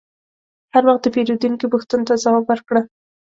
هر وخت د پیرودونکي پوښتنو ته ځواب ورکړه.